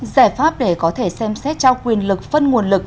giải pháp để có thể xem xét trao quyền lực phân nguồn lực